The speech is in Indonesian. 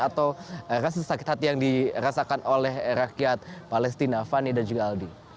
atau rasa sakit hati yang dirasakan oleh rakyat palestina fani dan juga aldi